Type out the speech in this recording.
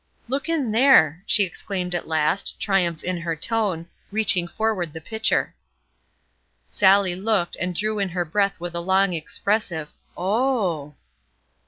"Look in there!" she exclaimed at last, triumph in her tone, reaching forward the pitcher. Sallie looked, and drew in her breath with a long, expressive "O h!"